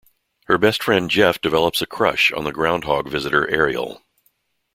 Her best friend Jeff develops a crush on the "groundhog" visitor, Ariel.